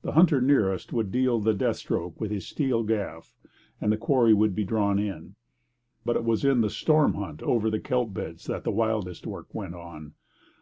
The hunter nearest would deal the death stroke with his steel gaff, and the quarry would be drawn in. But it was in the storm hunt over the kelp beds that the wildest work went on.